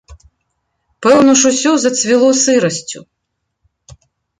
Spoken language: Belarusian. Пэўна ж усё зацвіло сырасцю.